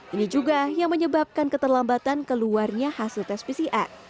ini juga yang menyebabkan keterlambatan keluarnya hasil tes pcr